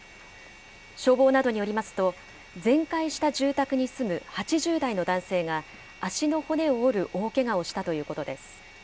消防などによりますと、全壊した住宅に住む８０代の男性が、足の骨を折る大けがをしたということです。